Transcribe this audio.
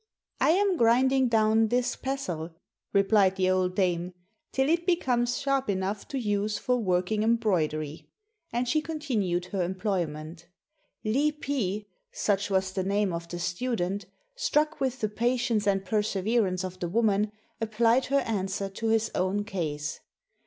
"I am grinding down this pestle," replied the old dame, "till it becomes sharp enough to use for working embroidery," and she continued her employment. Li pi, — such was the name of the student, — struck with the patience and perse verance of the woman, applied her answer to his own case.